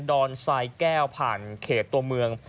อนทรายแก้วผ่านเขตตัวเมือง